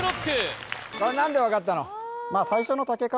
何で分かったの？